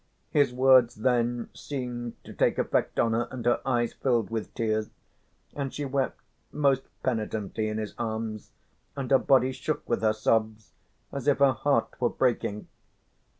His words then seemed to take effect on her and her eyes filled with tears and she wept most penitently in his arms, and her body shook with her sobs as if her heart were breaking.